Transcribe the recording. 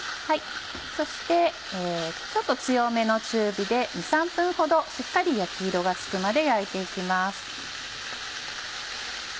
そしてちょっと強めの中火で２３分ほどしっかり焼き色がつくまで焼いて行きます。